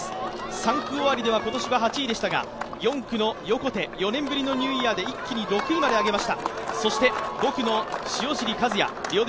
３区終わりでは今年は８位でしたが、４区の横手、４年ぶりのニューイヤーで一気に６位まで上げました。